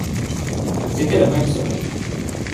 C'était le même sommeil.